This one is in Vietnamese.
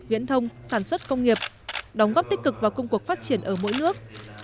viễn thông sản xuất công nghiệp đóng góp tích cực vào công cuộc phát triển ở mỗi nước